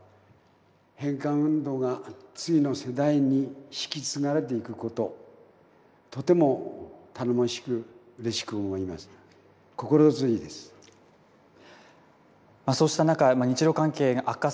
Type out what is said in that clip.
返還運動が次の世代に引き継がれていくこと、とても頼もしく、うれしく思います。